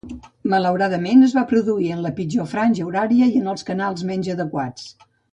Malauradament, es va produir en la pitjor franja horària i en els canals menys adequats.